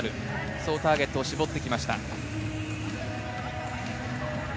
そうターゲットを絞ってきました。